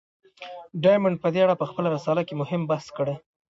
ډایمونډ په دې اړه په خپله رساله کې مهم بحث کړی دی.